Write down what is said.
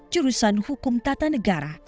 jurusan hukum tata negara